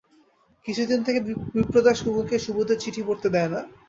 কিছুদিন থেকে বিপ্রদাস কুমুকে সুবোধের চিঠি পড়তে দেয় না।